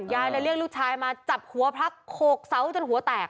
ยายเลยเรียกลูกชายมาจับหัวพระโขกเสาจนหัวแตก